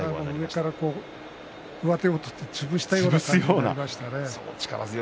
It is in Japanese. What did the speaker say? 上から上手を取って潰したような形になりましたね。